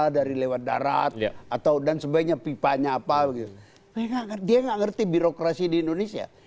dia gak ngerti birokrasi di indonesia